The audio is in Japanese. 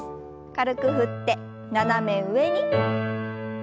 軽く振って斜め上に。